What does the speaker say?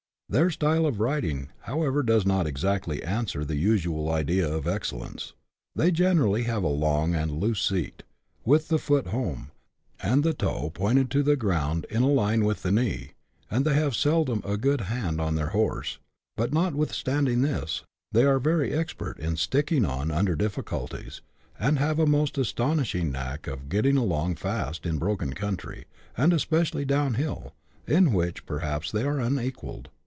Their style of riding, however, does not exactly answer the usual idea of excellence : they have generally a long and loose seat, with the foot home, and the toe pointed to the ground in a line with the knee, and they have seldom a good hand on their horse ; but notwithstanding this they are very expert at sticking on under difficulties, and have a most astonishing knack of getting along fast in broken countrj , and especially down hill, in which perhaps they are unequalled.